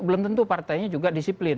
belum tentu partainya juga disiplin